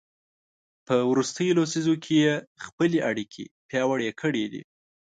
په وروستیو لسیزو کې یې خپلې اړیکې پیاوړې کړي دي.